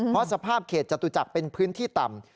เพราะสภาพเขตจตุจักรเป็นพื้นที่ต่ำ